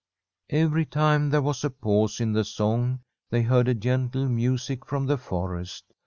Every time there was a pause in the song they heard a gentle music from the forest.